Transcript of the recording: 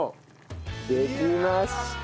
できました！